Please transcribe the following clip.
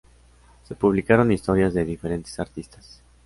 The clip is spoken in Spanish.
Se publicaron historias de diferentes artistas.